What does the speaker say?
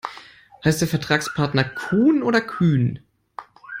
Heißt der Vertragspartner Kuhn oder Kühn?